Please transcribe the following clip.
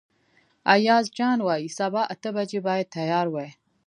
ایاز جان وايي سبا اته بجې باید تیار وئ.